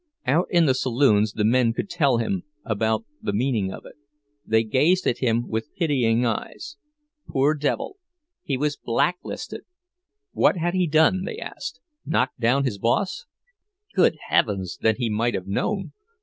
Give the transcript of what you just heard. Out in the saloons the men could tell him all about the meaning of it; they gazed at him with pitying eyes—poor devil, he was blacklisted! What had he done? they asked—knocked down his boss? Good heavens, then he might have known!